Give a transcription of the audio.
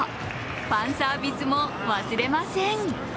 ファンサービスも忘れません。